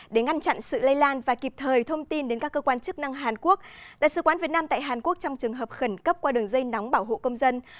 để ngăn chặn sự lây lan và kịp thời thông tin đến các cơ quan chức năng hàn quốc đại sứ quán việt nam tại hàn quốc trong trường hợp khẩn cấp qua đường dây nóng bảo hộ công dân